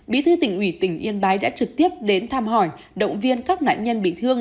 bí thư tỉnh ủy tỉnh yên bái đã trực tiếp đến thăm hỏi động viên các nạn nhân bị thương